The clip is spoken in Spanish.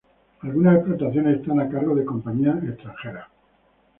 Algunas explotaciones están a cargo de compañías extranjeras.